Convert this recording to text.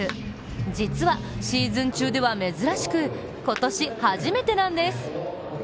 実は、シーズン中では珍しく今年初めてなんです。